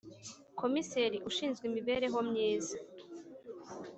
Komiseri ushinzwe imibereho myiza